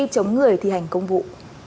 chống người thi hành công vụ